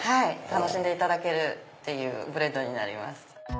楽しんでいただけるブレンドになります。